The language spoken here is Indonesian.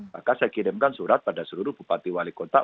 maka saya kirimkan surat pada seluruh bupati wali kota